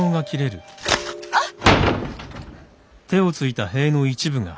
あっ！